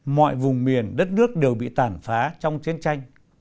mọi vùng miền đất nước đều bị tàn phá trong chiến tranh